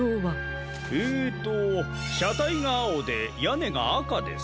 えとしゃたいがあおでやねがあかです。